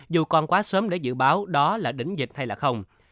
dù còn quá sớm để dự báo đó là đỉnh dịch hay là không